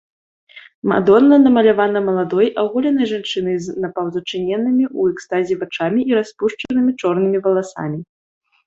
Мадонна намалявана маладой аголенай жанчынай з напаўзачыненымі ў экстазе вачамі і распушчанымі чорнымі валасамі.